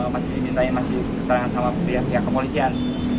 masih saya masih kecerahan sama pihak pihak kepolisian